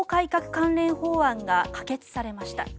関連法案が可決されました。